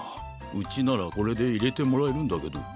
うちならこれでいれてもらえるんだけど。